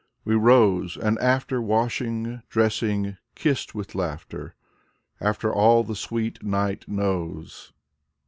Wc rose and after Washing, dressing, — ^kissed with laughter, After all the sweet night knows.